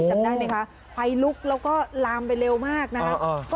จำได้ไหมคะไฟลุกแล้วก็ลามไปเร็วมากนะคะ